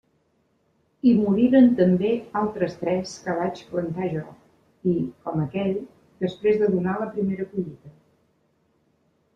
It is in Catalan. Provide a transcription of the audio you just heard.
I moriren també altres tres que vaig plantar jo, i, com aquell, després de donar la primera collita.